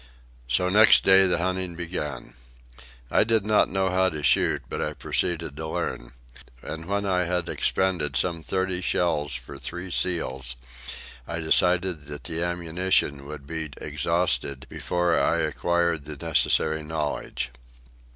So next day the hunting began. I did not know how to shoot, but I proceeded to learn. And when I had expended some thirty shells for three seals, I decided that the ammunition would be exhausted before I acquired the necessary knowledge.